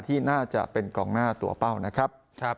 ที่น่าจะเป็นกองหน้าตัวเป้านะครับ